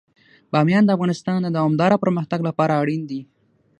بامیان د افغانستان د دوامداره پرمختګ لپاره اړین دي.